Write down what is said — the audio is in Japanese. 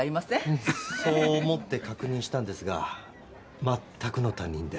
うんそう思って確認したんですが全くの他人で。